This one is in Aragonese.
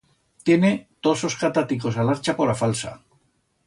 Tiene toz os cataticos a l'archa por a falsa.